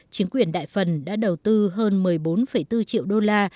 chính quyền đại phần đã đầu tư hơn một mươi bốn bốn triệu đô la